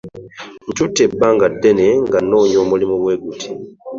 Ntute ebbanga ddene nga nonya omulimu bwe guti.